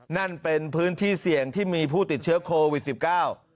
นั่นเป็นพื้นที่เสี่ยงที่มีผู้ติดเชื้อโควิดสิบเก้า